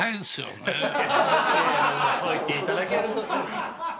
そう言っていただけると。